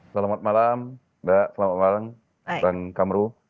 selamat malam mbak selamat malam dan kamru